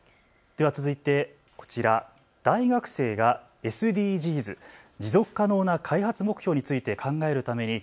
では続いてこちら、大学生がＳＤＧｓ・持続可能な開発目標について考えるために